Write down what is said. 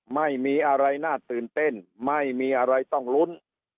ไม่มีอะไรน่าตื่นเต้นไม่มีอะไรต้องลุ้น